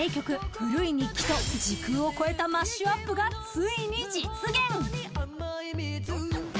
「古い日記」と時空を超えたマッシュアップがついに実現。